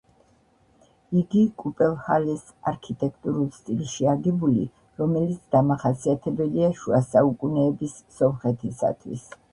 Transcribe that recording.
იგი კუპელჰალეს არქიტექტურულ სტილში აგებული, რომელიც დამახასიათებელია შუა საუკუნეების სომხეთისათვის.